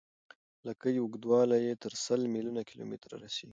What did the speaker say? لکۍ اوږدوالی یې تر سل میلیون کیلومتره رسیږي.